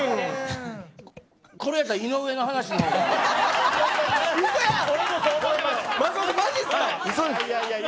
これやったら井上の話のほうが。